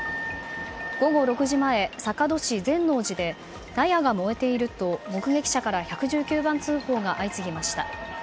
午後６時前、坂戸市善能寺で納屋が燃えていると納屋が燃えていると目撃者から１１９番通報が相次ぎました。